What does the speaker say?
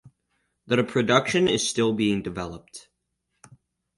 The production is still being developed.